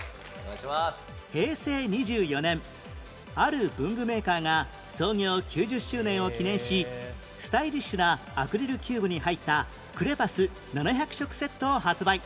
平成２４年ある文具メーカーが創業９０周年を記念しスタイリッシュなアクリルキューブに入ったクレパス７００色セットを発売